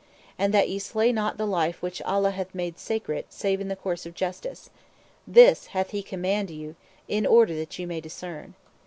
And that ye slay not the life which Allah hath made sacred, save in the course of justice. This He hath command you, in order that ye may discern.